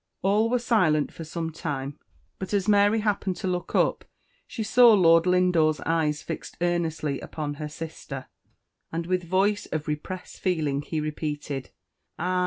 All were silent for some time; but as Mary happened to look up, she saw Lord Lindore'seyes fixed earnestly upon her sister, and with voice of repressed feeling he repeated,_"Ah!